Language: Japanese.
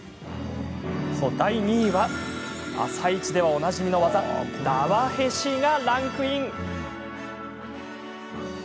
第２位は「あさイチ」ではおなじみのワザ「だわへし」がランクイン。